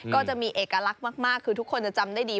ก็จะมีเอกลักษณ์มากคือทุกคนจะจำได้ดี